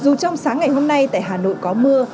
dù trong sáng ngày hôm nay tại hà nội có mưa